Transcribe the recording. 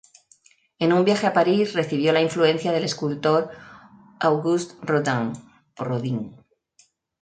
En un viaje a París recibió la influencia del escultor Auguste Rodin.